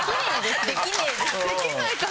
できないかな？